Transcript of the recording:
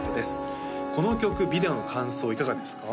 この曲ビデオの感想いかがですか？